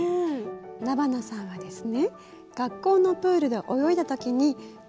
那花さんはですね